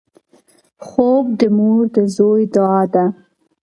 خوب د مور د زوی دعا ده